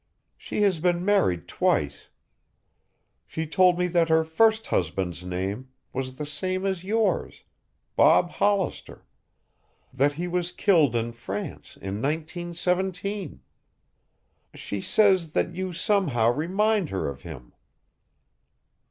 "She has been married twice. She told me that her first husband's name was the same as yours Bob Hollister that he was killed in France in 1917. She says that you somehow remind her of him."